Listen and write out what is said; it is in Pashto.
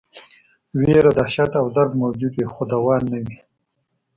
ویره، دهشت او درد موجود وي خو دوا نه وي.